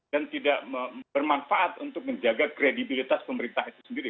dan tidak bermanfaat untuk menjaga kredibilitas pemerintah itu sendiri